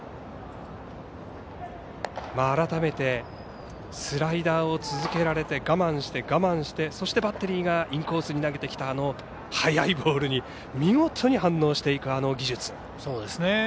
改めて、スライダーを続けられて我慢して、我慢してそしてバッテリーがインコースに投げてきた速いボールに見事に反応していく、あの技術。